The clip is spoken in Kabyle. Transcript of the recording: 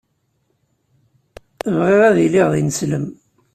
Bɣiɣ ad iliɣ d ineslem.